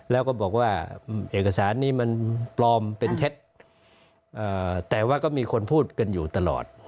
แล้วก็บอกว่าเอกสารนี้มันปลอมเป็นเท็จแต่ว่าก็มีคนพูดกันอยู่ตลอด